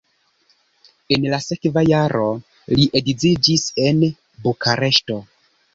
En la sekva jaro li edziĝis en Bukareŝto.